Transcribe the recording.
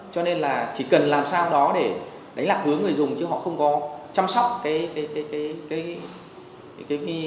cho nên là chỉ cần làm sao đó để đánh lạc hướng người dùng chứ họ không có chăm sóc cái việc